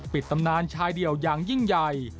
ตำนานชายเดี่ยวอย่างยิ่งใหญ่